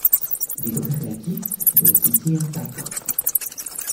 Il est enterré à Kiev dans le cimetière Baikove.